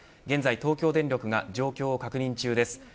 現在東京電力が状況を確認中です。